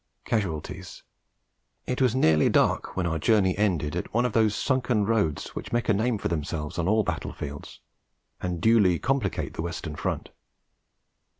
CASUALTIES It was nearly dark when our journey ended at one of those sunken roads which make a name for themselves on all battle fields, and duly complicate the Western Front.